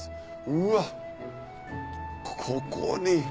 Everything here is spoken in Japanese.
うわっここに。